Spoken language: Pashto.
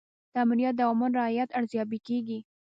د آمریت د اوامرو رعایت ارزیابي کیږي.